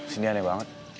cindy aneh banget